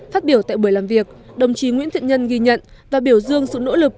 phát biểu tại buổi làm việc đồng chí nguyễn thiện nhân ghi nhận và biểu dương sự nỗ lực